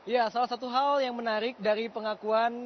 ya salah satu hal yang menarik dari pengakuan